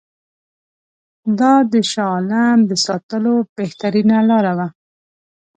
دا د شاه عالم د ساتلو بهترینه لاره وه.